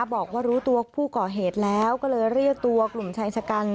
บอกว่ารู้ตัวผู้ก่อเหตุแล้วก็เลยเรียกตัวกลุ่มชายชะกัน